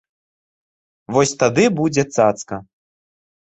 Вось тады будзе цацка.